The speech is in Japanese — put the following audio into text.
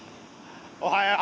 おはよう。